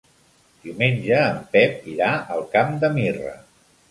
Diumenge en Pep irà al Camp de Mirra.